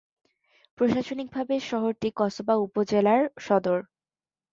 প্রশাসনিকভাবে শহরটি কসবা উপজেলার সদর।